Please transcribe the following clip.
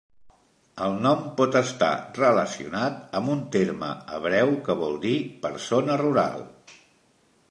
El nom pot estar relacionat amb un terme hebreu que vol dir "persona rural".